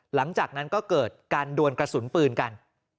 หลังจากนั้นก็เกิดการดวนกระสุนปืนกัน